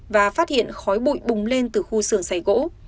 và phát hiện khói bụi bùng lên từ khu xưởng xảy gỗ